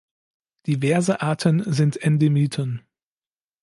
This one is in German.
Diverse Arten sind Endemiten.